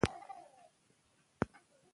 قومونه د افغان کلتور په داستانونو کې راځي.